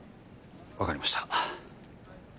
分かりました。